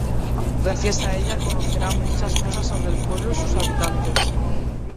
Gracias a ella conocerá muchas cosas sobre el pueblo y sus habitantes.